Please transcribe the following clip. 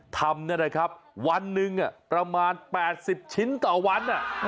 ทำเนี่ยนะครับวันหนึ่งประมาณ๘๐ชิ้นต่อวัน